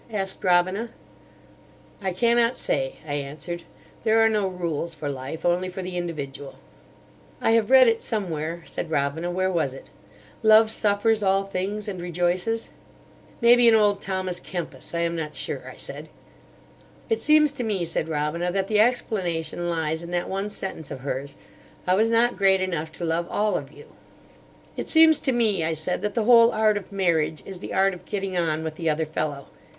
asked Robina. "I cannot say," I answered; "there are no rules for Life, only for the individual." "I have read it somewhere," said Robina—"where was it?—'Love suffers all things, and rejoices.'" "Maybe in old Thomas Kempis. I am not sure," I said. "It seems to me," said Robina, "that the explanation lies in that one sentence of hers: 'I was not great enough to love all of you.'" "It seems to me," I said, "that the whole art of marriage is the art of getting on with the other fellow.